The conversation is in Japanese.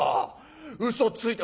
うそついて。